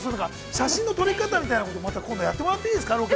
写真の撮り方みたいなことやってもらっていいですか。